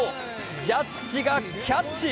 ジャッジがキャッチ！